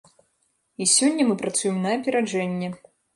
І сёння мы працуем на апераджэнне.